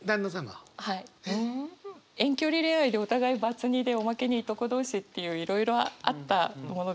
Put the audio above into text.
遠距離恋愛でお互いバツ２でおまけにいとこ同士っていういろいろあったものですから。